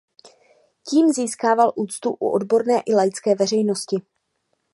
Tím získával úctu u odborné i laické veřejnosti.